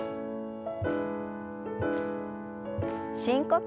深呼吸。